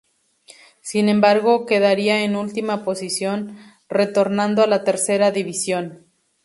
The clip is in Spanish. Sin embargo, quedaría en última posición, retornando a la Tercera División.